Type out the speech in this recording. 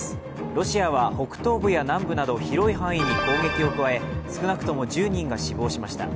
ロシアは北東部や南部など広い範囲に攻撃を加え少なくとも１０人が死亡しました。